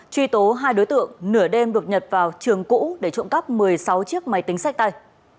truy tố hai đối tượng nửa đêm đột nhập vào trường cũ để trộm cắp một mươi sáu chiếc máy tính sách tay